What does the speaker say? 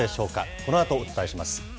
このあとお伝えします。